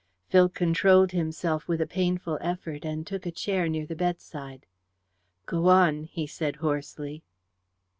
Phil controlled himself with a painful effort, and took a chair near the bedside. "Go on," he said hoarsely.